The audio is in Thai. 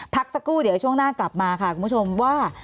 พักสักครู่เดี๋ยวช่วงหน้ากลับมาค่ะคุณผู้ชมว่า